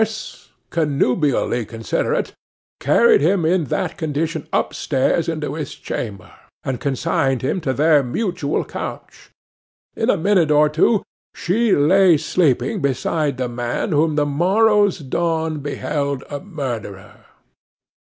S., connubially considerate, carried him in that condition up stairs into his chamber, and consigned him to their mutual couch. In a minute or two she lay sleeping beside the man whom the morrow's dawn beheld a murderer!